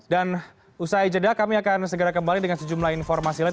dan usai jeda kami akan segera kembali dengan sejumlah informasi lain